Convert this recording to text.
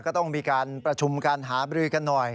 ก็ต้องมีการประชุมการหาบรือกันหน่อย